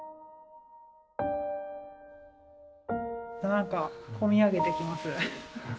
なんか込み上げてきます。